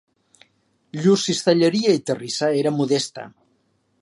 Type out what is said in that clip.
Llur cistelleria i terrissa era modesta.